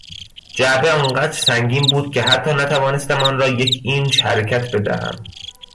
جعبه آنقدر سنگین بود که حتی نتوانستم آنرا یک اینچ حرکت بدهم.